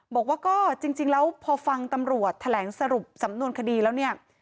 บอกว่าก็จริงแล้วพอฟังตำรวจแถลงสรุปสำนวนคดีแล้วเนี่ย